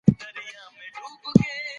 ګوندونه د قدرت لپاره سيالۍ او مبارزې کوي.